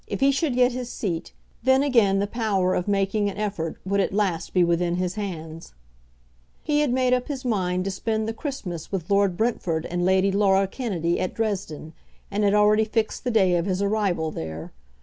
If he should get his seat, then again the power of making an effort would at last be within his hands. He had made up his mind to spend the Christmas with Lord Brentford and Lady Laura Kennedy at Dresden, and had already fixed the day of his arrival there.